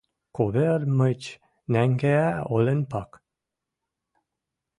Ковёр мыч нӓнгеӓ олен пак.